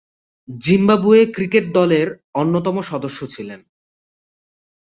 Zimbabwe cricket দলের অন্যতম সদস্য ছিলেন।